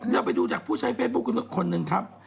ต้องไปดูดากผู้ใช้เฟสบุค่ะ